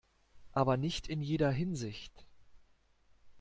Aber nicht in jeder Hinsicht.